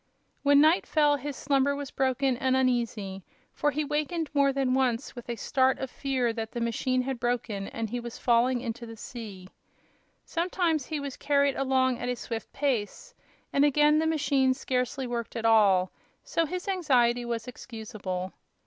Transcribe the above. When night fell his slumber was broken and uneasy, for he wakened more than once with a start of fear that the machine had broken and he was falling into the sea. Sometimes he was carried along at a swift pace, and again the machine scarcely worked at all; so his anxiety was excusable.